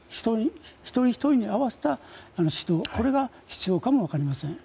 一人ひとりに合わせた指導がこれが必要かも分かりません。